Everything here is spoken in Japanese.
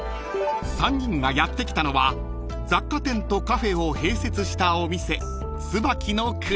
［３人がやって来たのは雑貨店とカフェを併設したお店］